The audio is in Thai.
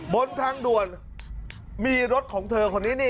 บนทางด่วนมีรถของเธอคนนี้นี่